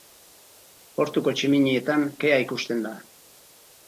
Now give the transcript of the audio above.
Portuko tximinietan kea ikusten da.